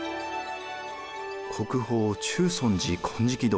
国宝中尊寺金色堂。